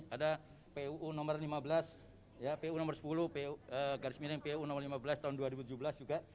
ada puu nomor lima belas pu nomor sepuluh garis miring puu nomor lima belas tahun dua ribu tujuh belas juga